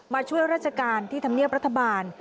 มาช่วยราชการที่ธรรมเนียบรัฐบาล